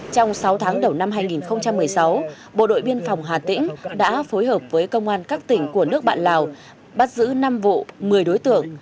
trong sáu tháng đầu năm hai nghìn một mươi sáu bộ đội biên phòng hà tĩnh đã phối hợp với công an các tỉnh của nước bạn lào bắt giữ năm vụ một mươi đối tượng